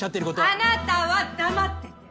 あなたは黙ってて。